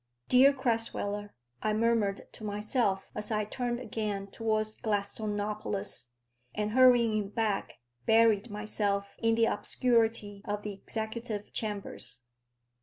"Dear Crasweller," I murmured to myself as I turned again towards Gladstonopolis, and hurrying back, buried myself in the obscurity of the executive chambers.